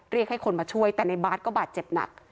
เรียกให้คนมาช่วยแต่ในบาร์ดก็บาดเจ็บหนัก